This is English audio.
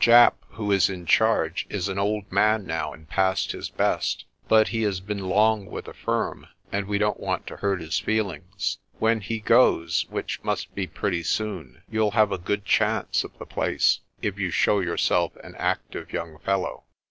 Japp, who is in charge, is an old man now and past his best, but he has been long with the firm, and we don't want to hurt his feelings. When he goes, which must be pretty soon, you'll have a good chance of the place, if you show yourself an active young fellow."